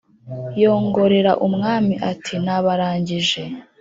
yongorera umwami ati"nabarangije"